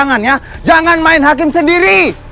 jangan ya jangan main hakim sendiri